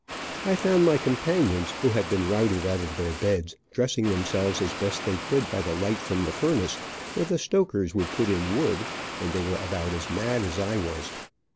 I found my companions, who had been routed out of their beds, dressing themselves as best they could by the light from the furnace, when the stokers would put in wood, and they were about as mad as I was.